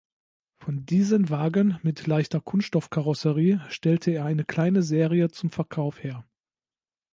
Von diesen Wagen mit leichter Kunststoffkarosserie stellte er eine kleine Serie zum Verkauf her.